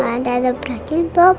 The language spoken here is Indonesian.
udah ada berani bobok